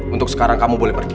untuk sekarang kamu boleh pergi